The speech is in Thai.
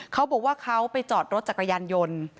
เขาบอกว่าเขาไปจอดรถจักรยานยนต์